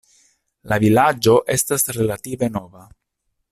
La vilaĝo estas relative nova.